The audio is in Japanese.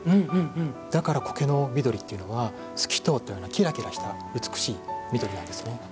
だから、苔の緑というのは透き通ったようなきらきらした美しい緑なんですね。